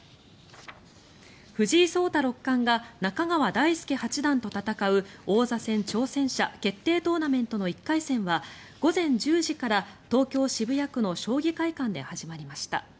藤井聡太六冠が中川大輔八段と戦う王座戦挑戦者決定トーナメントの１回戦は午前１０時から東京・渋谷区の将棋会館で始まりました。